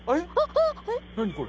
何これ？